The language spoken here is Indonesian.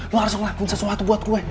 lo harus ngelakuin sesuatu buat gue